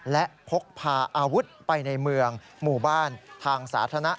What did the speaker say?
และพกพาอาวุธไปในเมืองหมู่บ้านทางสาธารณะ